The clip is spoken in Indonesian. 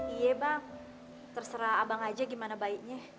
iya bang terserah abang aja gimana baiknya